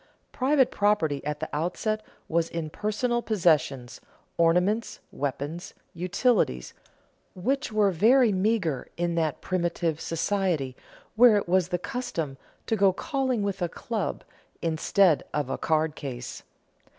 Private property at the outset was in personal possessions, ornaments, weapons, utensils, which were very meager in that primitive society where it was the custom "to go calling with a club instead of a card case."